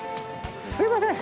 すいません。